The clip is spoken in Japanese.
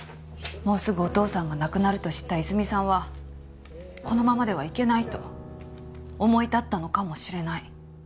もうすぐお父さんが亡くなると知った泉水さんはこのままではいけないと思い立ったのかもしれない。